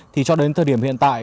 thì cho đến thời điểm hiện tại